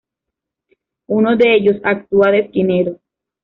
Uno de ellos actúa de esquinero.